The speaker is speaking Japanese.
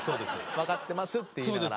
分かってますって言いながら。